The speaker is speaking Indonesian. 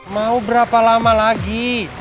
mau berapa lama lagi